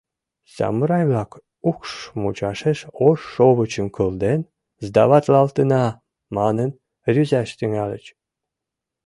Самурай-влак, укш мучашеш ош шовычым кылден, «сдаватлалтына!» манын, рӱзаш тӱҥальыч.